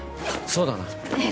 そうだなね